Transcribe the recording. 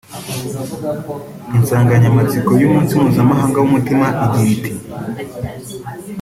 Insanganyamatsiko y’umunsi mpuzamahanga w’umutima igira iti